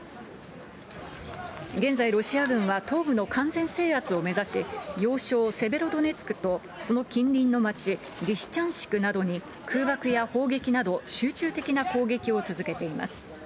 現在、ロシア軍は東部の完全制圧を目指し、要衝セベロドネツクとその近隣の町、リシチャンシクなどに空爆や砲撃など集中的な攻撃を続けています。